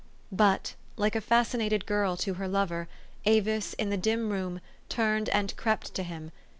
But, like a fascinated girl to her lover, Avis, in the dim room, turned and crept to him.